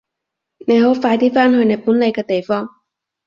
你好快啲返去你本來嘅地方！